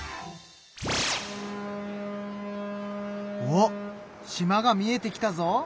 うわっ島が見えてきたぞ。